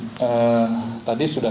penyelenggaraan yang cukup lama